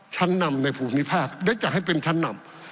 ชั้นนำในภูมิภาคได้จัดให้เป็นชั้นนำ